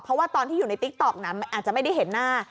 เพราะว่าตอนที่อยู่ในติ๊กต๊อกนั้นอาจจะไม่ได้เห็นหน้า